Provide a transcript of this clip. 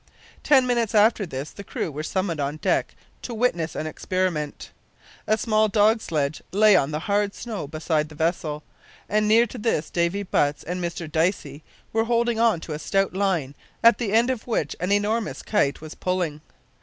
Ten minutes after this the crew were summoned on deck to witness an experiment. A small dog sledge lay on the hard snow beside the vessel, and near to this Davy Butts and Mr Dicey were holding on to a stout line, at the end of which an enormous kite was pulling.